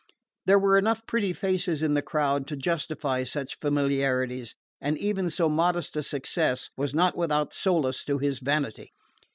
There were enough pretty faces in the crowd to justify such familiarities, and even so modest a success was not without solace to his vanity.